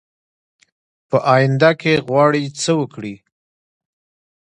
په آینده کې غواړي څه وکړي ؟